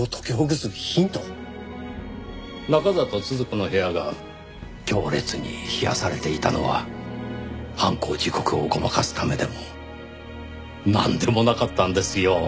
中郷都々子の部屋が強烈に冷やされていたのは犯行時刻をごまかすためでもなんでもなかったんですよ。